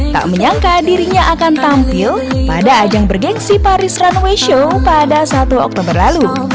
tak menyangka dirinya akan tampil pada ajang bergensi paris runway show pada satu oktober lalu